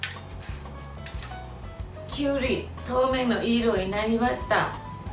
きゅうり透明ないい色になりました。